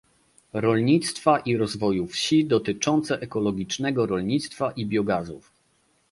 Rolnictwa i Rozwoju Wsi dotyczące ekologicznego rolnictwa i biogazów